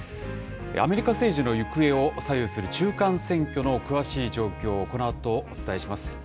アメリカ政治の行方を左右する中間選挙の詳しい状況をこのあとお伝えします。